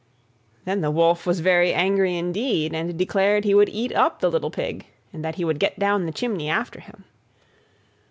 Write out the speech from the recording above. Then the Wolf was very angry indeed, and declared he would eat up the little Pig, and that he would get down the chimney after him.